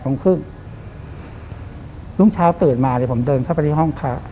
รุ่งเช้าตื่นมาครึ่งเติดมาผมเดินเข้าไปห้องค้า